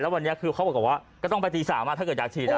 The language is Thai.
วันนี้คือเขาบอกว่าก็ต้องไปตี๓ถ้าเกิดอยากฉีด